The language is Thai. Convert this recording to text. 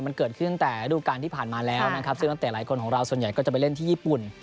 มันเกิดขึ้นตั้งแต่รูปกาศที่ผ่านมาแล้วซึ่งหลายคนของเราส่วนใหญ่ก็ไปเล่นที่ญี่ปุ่น